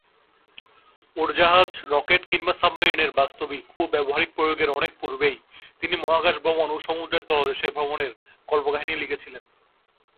উড়োজাহাজ, রকেট কিংবা সাবমেরিনের বাস্তবিক ও ব্যবহারিক প্রয়োগের অনেক পূর্বেই তিনি মহাকাশ ভ্রমণ ও সমুদ্রের তলদেশে ভ্রমণের কল্পকাহিনী লিখেছিলেন।